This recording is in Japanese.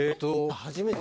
初めて。